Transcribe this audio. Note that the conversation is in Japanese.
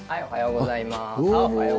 おはようございます。